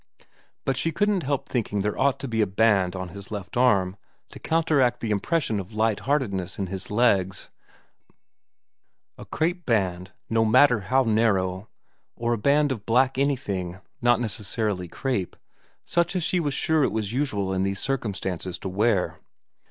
But she couldn't help thinking there ought to be a band on his left arm vii VERA 71 to counteract the impression of light heartedness in his legs ; a crape band, no matter how narrow, or a band of black anything, not necessarily crape, such as she was sure it was usual in these circumstances to wear.